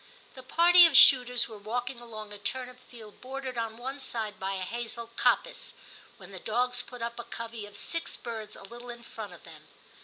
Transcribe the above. The party of shooters were walking along a turnip field bordered on one side by a hazel coppice, when the dogs put up a . covey of six birds a little in front of them.